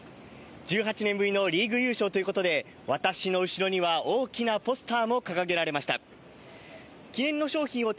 １８年ぶりのリーグ優勝ということで、私の後ろには大きなポスターも掲げられました。